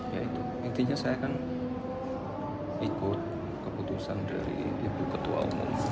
ya itu intinya saya kan ikut keputusan dari ibu ketua umum